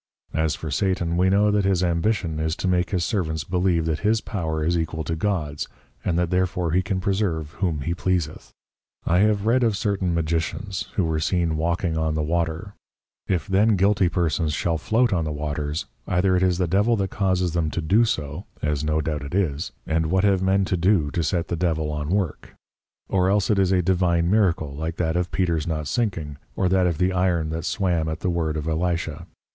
As for Satan, we know that his Ambition is to make his Servants believe that his Power is equal to God's, and that therefore he can preserve whom he pleaseth. I have read of certain Magicians, who were seen walking on the Water: If then guilty Persons shall float on the Waters, either it is the Devil that causes them to do so, (as no doubt it is) and what have Men to do to set the Devil on work; or else it is a Divine Miracle, like that of Peter's not sinking, or that of the Iron that swam at the Word of Elisha.